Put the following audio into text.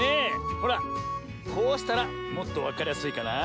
ほらこうしたらもっとわかりやすいかなあ。